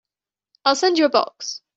I'll send you a box.